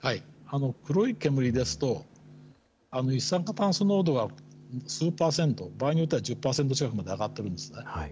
黒い煙ですと、一酸化炭素濃度が数％、場合によっては１０％近くまで上がってるんですね。